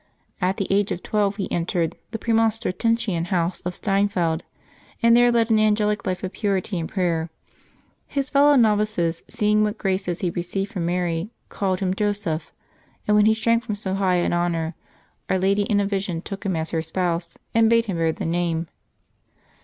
At the age of twelve he entered the Premonstratensian house at Steinfeld, and there led an angelic life of purity and prayer. His fellow novices, seeing what graces he received from Mary, called him Joseph ; and when he shrank from so high an honor, Our Lady in a vision took him as her spouse, and bade him bear the name.